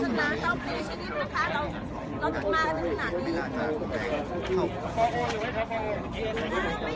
มีผู้ที่ได้รับบาดเจ็บและถูกนำตัวส่งโรงพยาบาลเป็นผู้หญิงวัยกลางคน